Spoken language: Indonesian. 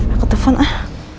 aku telfon ah